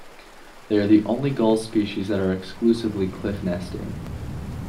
They are the only gull species that are exclusively cliff-nesting.